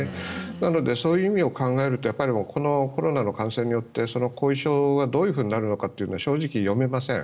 なので、そういう意味を考えるとコロナの感染によって後遺症がどういうふうになるのかっていうのは正直読めません。